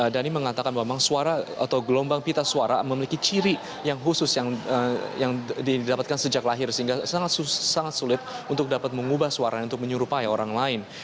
dhani mengatakan bahwa memang suara atau gelombang pita suara memiliki ciri yang khusus yang didapatkan sejak lahir sehingga sangat sulit untuk dapat mengubah suara untuk menyerupai orang lain